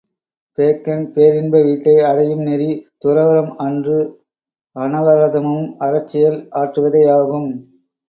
Bacon பேரின்ப வீட்டை அடையும் நெறி துறவறம் அன்று அனவரதமும் அறச்செயல் ஆற்றுவதேயாகும்.